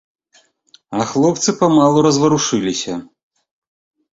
А хлопцы памалу разварушыліся.